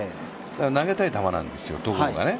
投げたい球なんですよ、戸郷がね。